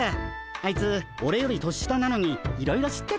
あいつオレより年下なのにいろいろ知ってて。